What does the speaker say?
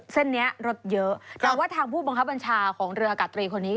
เส้นนี้รถเยอะแต่ว่าทางผู้บังคับบัญชาของเรืออากาศตรีคนนี้